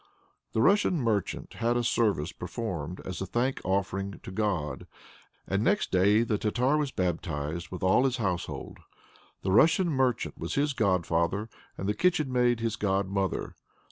The Russian merchant had a service performed as a thank offering to God, and next day the Tartar was baptized with all his household. The Russian merchant was his godfather, and the kitchen maid his godmother.